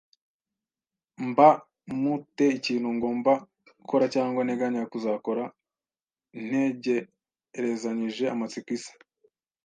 mba m te ikintu ngomba gukora cyangwa nteganya kuzakora Ntegerezanyije amatsiko isi